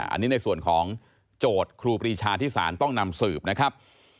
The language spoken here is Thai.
อันนี้ในส่วนของโจทย์ครูปรีชาที่ศาลต้องนำสืบนะครับ